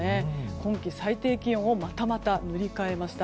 今季最低気温をまたまた塗り替えました。